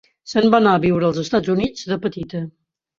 Se'n va anar a viure als Estats Units de petita.